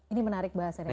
ini menarik bahasanya